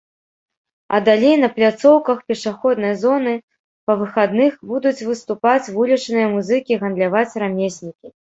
А далей на пляцоўках пешаходнай зоны па выхадных будуць выступаць вулічныя музыкі, гандляваць рамеснікі.